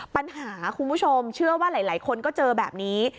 ปัญหาคุณผู้ชมเชื่อว่าหลายคนก็เจอแบบนี้